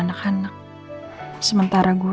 c lauren seperti panggil